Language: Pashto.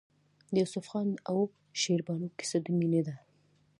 د یوسف خان او شیربانو کیسه د مینې ده.